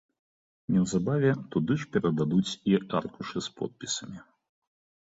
Неўзабаве туды ж перададуць і аркушы з подпісамі.